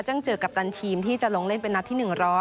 จึงเจอกับกัปตันทีมที่จะลงเล่นนัดที่๑๐๐